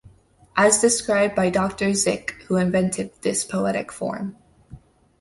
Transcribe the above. As described by Dr Zik who invented this poetic form.